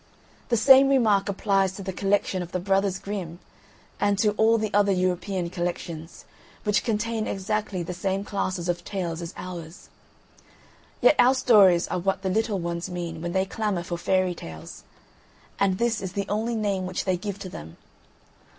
] The same remark applies to the collection of the Brothers Grimm and to all the other European collections, which contain exactly the same classes of tales as ours. Yet our stories are what the little ones mean when they clamour for "Fairy Tales," and this is the only name which they give to them.